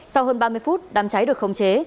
sau hơn ba mươi phút đám cháy được khống chế